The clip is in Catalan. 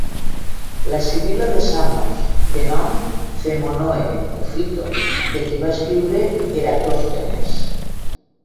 La sibil·la de Samos, de nom Phemonoe, o Phyto, de qui va escriure Eratòstenes.